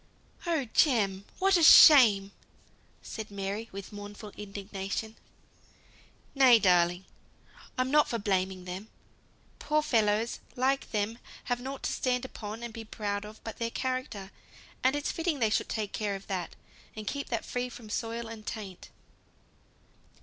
"Oh Jem! what a shame!" said Mary, with mournful indignation. "Nay, darling! I'm not for blaming them. Poor fellows like them have nought to stand upon and be proud of but their character, and it's fitting they should take care of that, and keep that free from soil and taint."